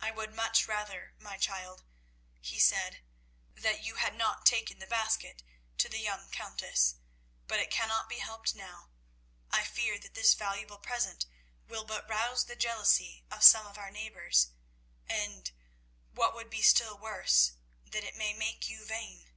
"I would much rather, my child," he said, "that you had not taken the basket to the young Countess, but it cannot be helped now. I fear that this valuable present will but rouse the jealousy of some of our neighbours, and, what would be still worse, that it may make you vain.